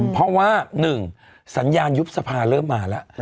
เพราะว่า๑สัญญาณยุบสภาเริ่มมาแล้ว